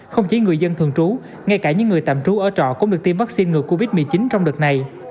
không chỉ người dân thường trú ngay cả những người tạm trú ở trọ cũng được tiêm vaccine ngừa covid một mươi chín trong đợt này